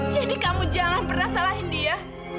jadi kamu jangan pernah salahin dia